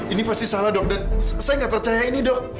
ini pasti salah dok dan saya nggak percaya ini dok